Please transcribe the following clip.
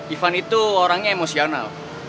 ivan itu orangnya emosional